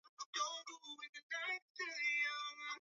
Anajulikana kama straika mwenye kipaji na mwenye nguvu